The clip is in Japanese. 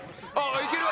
いける！